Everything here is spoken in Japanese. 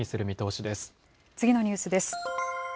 見通次のニュースです。